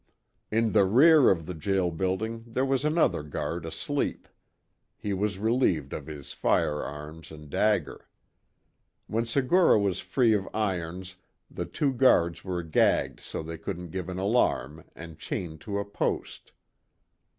In the rear of the jail building there was another guard asleep. He was relieved of his fire arms and dagger. When Segura was free of irons the two guards were gagged so they couldn't give an alarm, and chained to a post.